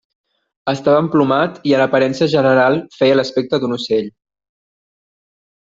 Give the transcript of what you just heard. Estava emplomat i en aparença general feia l'aspecte d'un ocell.